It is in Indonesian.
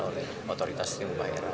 oleh otoritas sistem pembayaran